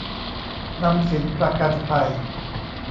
นำสินประกันภัย